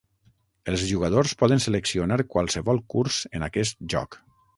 Els jugadors poden seleccionar qualsevol curs en aquest joc.